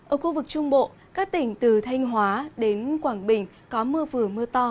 ở khu vực trung bộ các tỉnh từ thanh hóa đến quảng bình có mưa vừa mưa to